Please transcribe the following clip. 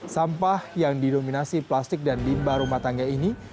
sampah yang didominasi plastik dan limba rumah tangga ini